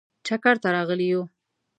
چکر ته راغلي یو.